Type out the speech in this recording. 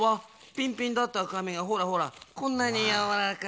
ぴんぴんだったかみがほらほらこんなにやわらかい。